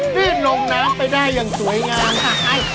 ที่ลงน้ำไปได้อย่างสวยงาม